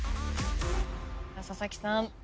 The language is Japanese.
佐々木さん。